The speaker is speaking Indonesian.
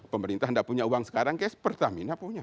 pemerintah tidak punya uang sekarang pertamina punya